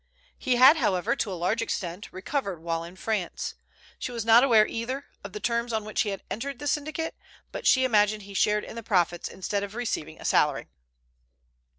He had, however, to a large extent recovered while in France. She was not aware, either, of the terms on which he had entered the syndicate, but she imagined he shared in the profits instead of receiving a salary.